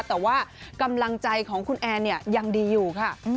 แต่ว่ากำลังใจของคุณแอนเนี่ยยังดีอยู่ค่ะ